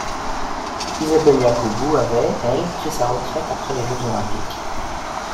Isabelle Yacoubou avait elle pris sa retraite après les Jeux olympiques.